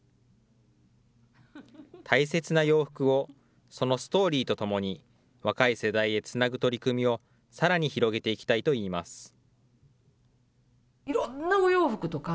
大切な洋服を、そのストーリーとともに、若い世代へつなぐ取り組みをさらに広げていきたいといいます。